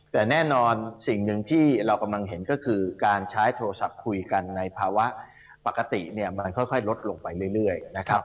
แต่แน่นอนสิ่งหนึ่งที่เรากำลังเห็นก็คือการใช้โทรศัพท์คุยกันในภาวะปกติเนี่ยมันค่อยลดลงไปเรื่อยนะครับ